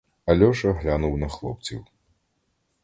Альоша глянув на хлопців.